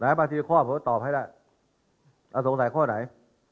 แล้วบางทีข้อผมตอบให้ล่ะอ่าสงสัยข้อไหน